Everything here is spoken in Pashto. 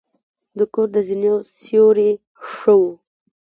د کور د زینو سیوري ښه وه.